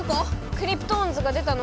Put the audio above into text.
クリプトオンズが出たの？